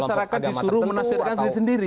masyarakat disuruh menafsirkan sendiri sendiri